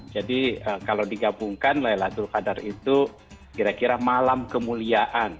jadi kalau digabungkan laylatul qadar itu kira kira malam kemuliaan